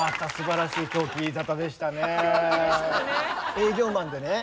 営業マンでね